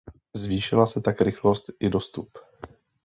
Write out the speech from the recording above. Zvýšila se tak rychlost i dostup.